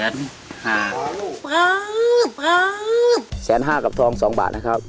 ๑๕แนลกับทอง๒บาทนะครับ